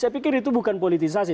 saya pikir itu bukan politisasi